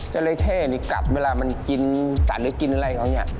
จราเข้นี่กลับเวลามันกินสัตว์หรือกินอะไรเขาเนี่ย